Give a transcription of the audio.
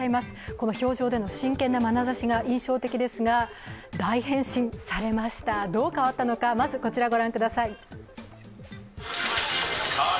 この氷上での真剣なまなざしが印象的ですが、大変身されましたどう変わったのか、まずこちらご覧ください。